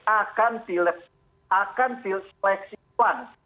akan di seleksikan